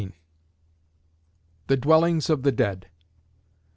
THE DWELLINGS OF THE DEAD.